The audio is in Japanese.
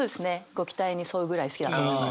ご期待に添うぐらい好きだなと思います。